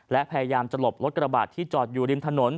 และพยายามจะหลบรถกระบาดที่จอดอยู่ริมถนน